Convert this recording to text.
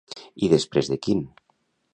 I després de quin?